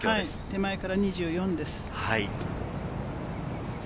手前から２４です。